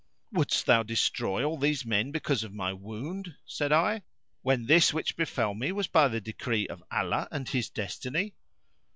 "Wouldst thou destroy all these men because of my wound," said I, "when this which befel me was by decree of Allah and His destiny?"